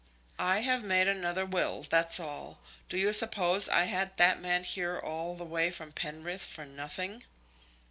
"I have made another will, that's all. Do you suppose I had that man here all the way from Penrith for nothing?"